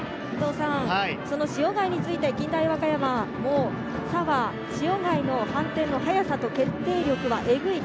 塩貝に次いで近大和歌山、澤、塩貝の反転の速さと決定力はえぐい。